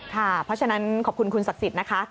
ค่ะเพราะฉะนั้นขอบคุณคุณศักดิ์สิทธิ์นะคะ